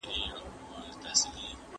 کېدای سي کار ستونزمن وي،